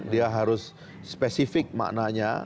dia harus spesifik maknanya